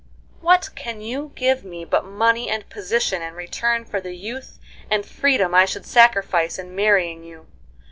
What can you give me but money and position in return for the youth and freedom I should sacrifice in marrying you?